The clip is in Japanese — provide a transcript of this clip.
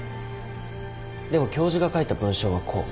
でも教授が書いた文章はこう。